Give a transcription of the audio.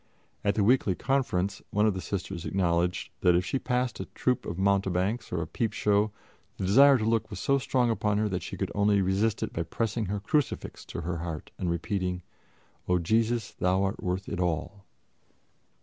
At the weekly conference one of the Sisters acknowledged that if she passed a troop of mountebanks or a peepshow, the desire to look was so strong upon her that she could only resist it by pressing her crucifix to her heart and repeating, "O Jesus, Thou art worth it all."